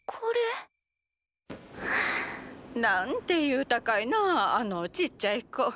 何てゆうたかいなあのちっちゃい子。